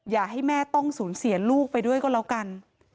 อย่าให้แม่ต้องสูญเสียลูกไปด้วยก็แล้วกัน